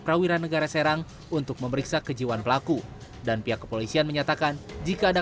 prawira negara serang untuk memeriksa kejiwaan pelaku dan pihak kepolisian menyatakan jika ada